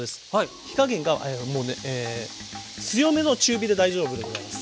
火加減がもうね強めの中火で大丈夫でございます。